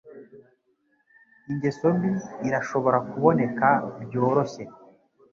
Ingeso mbi irashobora kuboneka byoroshye.